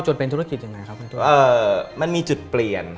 จนเป็นธุรกิจยังไงครับผู้อเตอร์